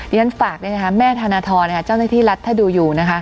ดิฉันฝากแม่ธนทรเจ้าหน้าที่รัฐถ้าดูอยู่